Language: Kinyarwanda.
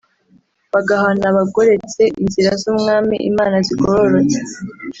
bagahana abagoretse inzira z’Umwami Imana zigororoste